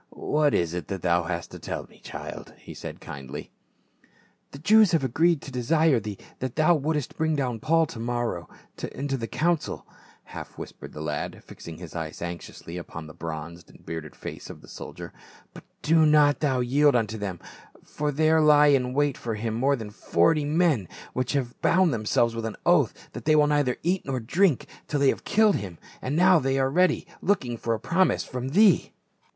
"What is it that thou hast to tell me, my child?" he said kindly. " The Jews have agreed to desire thee that thou wouldst bring down Paul to morrow into the council," half whispered the lad, fixing his eyes anxiously upon the bronzed and bearded face of the soldier ;" but do not thou yield unto them ; for there lie in wait for him more than forty men, which have bound themselves with an oath that they will neither eat nor drink till they have killed him ; and now they are ready, look ing for a promise from thee."